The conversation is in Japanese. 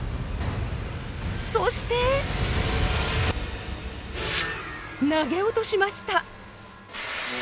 そして投げ落としました。